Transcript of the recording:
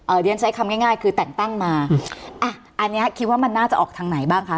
เดี๋ยวฉันใช้คำง่ายง่ายคือแต่งตั้งมาอ่ะอันเนี้ยคิดว่ามันน่าจะออกทางไหนบ้างคะ